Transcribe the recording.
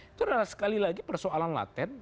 itu adalah sekali lagi persoalan laten